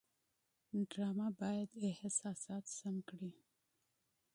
ډرامه باید احساسات سم کړي